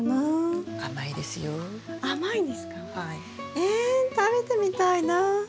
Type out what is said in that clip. え食べてみたいな。